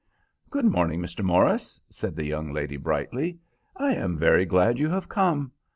"Good morning, Mr. Morris!" said the young lady, brightly. "I am very glad you have come.